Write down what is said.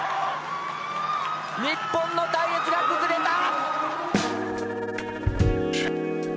日本の隊列が崩れた！